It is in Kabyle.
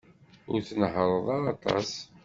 Ur tnehheṛ ara aṭas.